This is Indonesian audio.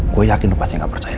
gue yakin lupa pasti gak percaya